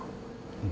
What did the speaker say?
うん。